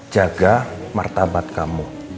jaga martabat kamu